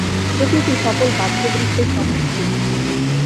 প্রকৃতি সকল বাহ্য দৃশ্যের সমষ্টি।